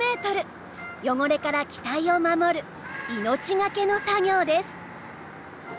汚れから機体を守る命懸けの作業です。